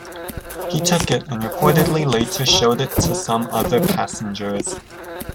He took it and reportedly later showed it to some other passengers.